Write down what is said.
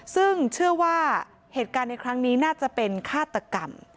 ซึ่งเชื่อว่าเหตุการณ์ในครั้งนี้น่าจะเป็นฆาตกรรม